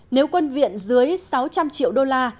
nếu quân viện dưới sáu trăm linh triệu usd